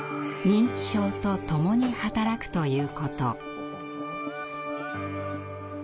認知症とともに働くということ。